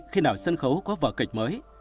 khi nào sân khấu có vợ kịch mới